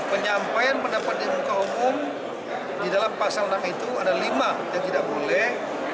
penyampaian pendapat di muka umum di dalam pasal enam itu ada lima yang tidak boleh